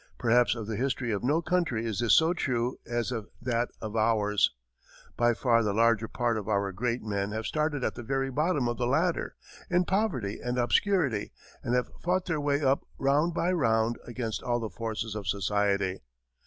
Perhaps of the history of no country is this so true as of that of ours. By far the larger part of our great men have started at the very bottom of the ladder, in poverty and obscurity, and have fought their way up round by round against all the forces of society.